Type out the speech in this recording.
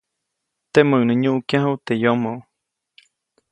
Temäʼuŋ nä nyuʼkyaju teʼ yomo.